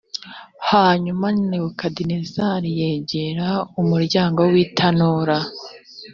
hanyuma nebukadinezari yegera umuryango w itanura